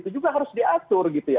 itu juga harus diatur gitu ya